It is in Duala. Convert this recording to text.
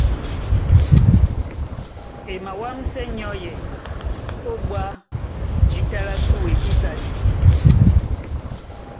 E mawámsɛ́ nyɔ́yɛ nyɔ́yɛ ó bwá jǐta lá sùe ísadi.